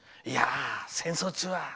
いや、戦争中は。